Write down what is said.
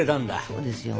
そうですよ。